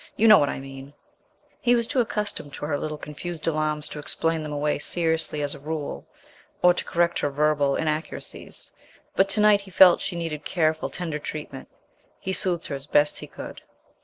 You know what I mean " He was too accustomed to her little confused alarms to explain them away seriously as a rule, or to correct her verbal inaccuracies, but to night he felt she needed careful, tender treatment. He soothed her as best he could.